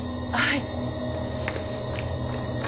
はい！